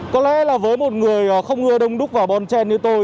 có lẽ là với một người không ngừa đông đúc và bon chen như tôi